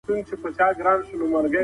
يوولس جمع څلور؛ پنځلس کېږي.